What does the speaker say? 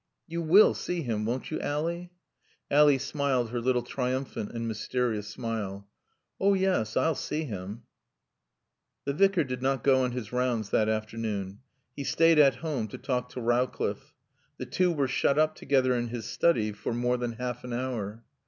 "You will see him, won't you, Ally?" Ally smiled her little triumphant and mysterious smile. "Oh yes, I'll see him." The Vicar did not go on his rounds that afternoon. He stayed at home to talk to Rowcliffe. The two were shut up together in his study for more than half an hour.